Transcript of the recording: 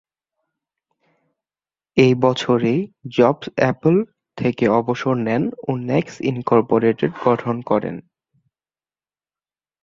এই বছরই Jobs Apple থেকে অবসর নেন ও নেক্সট ইনকর্পোরেটেড গঠন করেন।